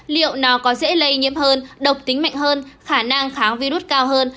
liệu nào có dễ lây nhiễm hơn độc tính mạnh hơn khả năng kháng virus cao hơn